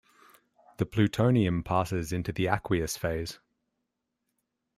The plutonium passes into the aqueous phase.